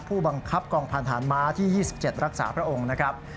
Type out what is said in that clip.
ผู้บังคับกองพันธานม้าที่๒๗รักษาพระองค์นะครับ